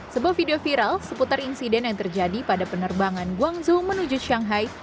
sebuah video viral seputar insiden yang terjadi pada penerbangan guangzhou menuju shanghai